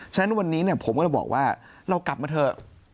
ฉะนั้นวันนี้ผมก็จะบอกว่าเรากลับมาเถอะ